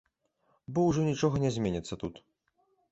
Бо ўжо нічога не зменіцца тут.